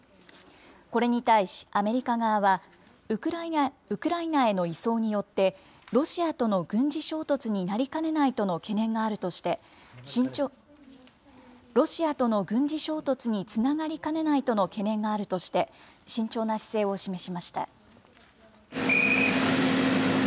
これに対しアメリカ側は、ウクライナへの移送によって、ロシアとの軍事衝突になりかねないとの懸念があるとして、ロシアとの軍事衝突につながりかねないとの懸念があるとして、慎重な姿勢を示しました。